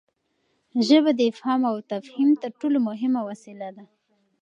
ژبه د افهام او تفهیم تر ټولو مهمه وسیله ده.